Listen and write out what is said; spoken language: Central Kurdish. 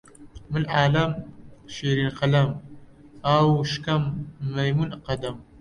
مل عەلەم، شیرین قەلەم، ئاهوو شکەم، مەیموون قەدەم